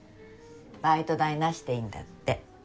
バイト代なしでいいんだって。